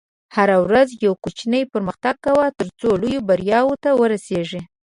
هره ورځ یو کوچنی پرمختګ کوه، ترڅو لویو بریاوو ته ورسېږې.